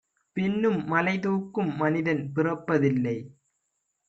பின்னும் மலைதூக்கும் மனிதன் பிறப்பதில்லை.